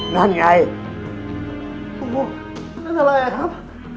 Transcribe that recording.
นั่นไงโอ้โหนั่นอะไรอะครับ